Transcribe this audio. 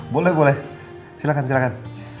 boleh boleh silahkan silahkan